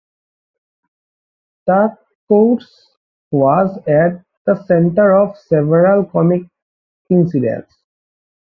The countess was at the centre of several comic incidents.